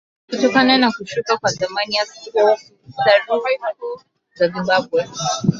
kutokana na kushuka kwa thamani ya sarafu ya Zimbabwe